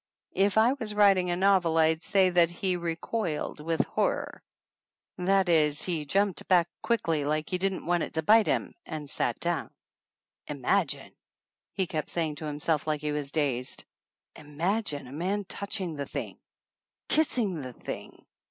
If I was writing a novel I'd say that he "re coiled with horror," that is, he jumped back quickly, like he didn't want it to bite him, and sat down. 192 THE ANNALS OF ANN "Imagine!" he kept saying to himself like he was dazed; "imagine a man toucMng the thing ! Kissing the thing